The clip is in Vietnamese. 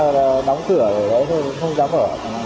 đóng cửa thì nó không dám ở